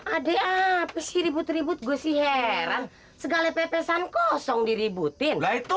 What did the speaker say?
adek apis ribut ribut gue sih heran segala pepesan kosong diributin itu